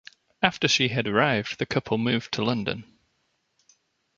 After she had arrived the couple moved to London.